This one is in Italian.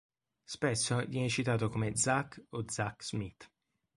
Spesso viene citato come Zach o Zack Smith.